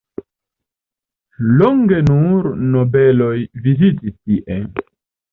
Longe nur nobeloj vivis tie.